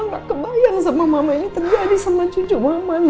gak kebayang sama mama ini terjadi sama cucu mama no